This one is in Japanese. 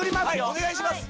お願いします。